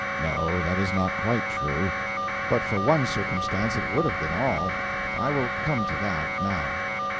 No, that is not quite true. But for one circumstance it would have been all. I will come to that now.